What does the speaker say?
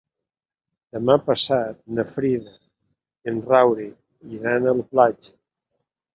Demà passat na Frida i en Rauric iran a la platja.